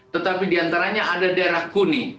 tetapi diantaranya ada daerah kuning